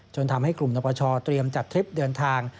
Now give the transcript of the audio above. ทำให้กลุ่มนปชเตรียมจัดทริปเดินทาง